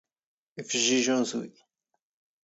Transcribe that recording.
ⵉⴼⵊⵊⵉⵊ ⵓⵏⵣⵡⵉ.